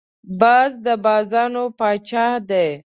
باز د بازانو پاچا دی